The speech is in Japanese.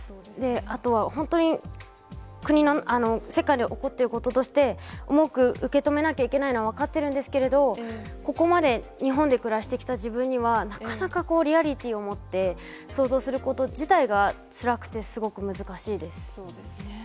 あとは本当に世界で起こっていることとして、重く受け止めなきゃいけないのは分かってるんですけれど、ここまで日本で暮らしてきた自分には、なかなかリアリティーを持って想像すること自体がつらくて、そうですね。